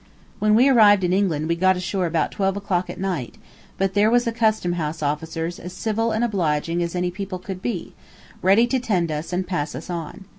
When we arrived in England we got ashore about twelve o'clock at night, but there was the custom house officers as civil and obliging as any people could be, ready to tend to us and pass us on.